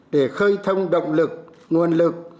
để khơi thông động lực nguồn lực